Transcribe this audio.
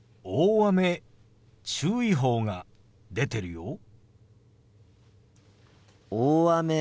大雨注意報が出てるよ。